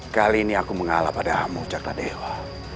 kali ini aku mengalah pada kamu cakta dewa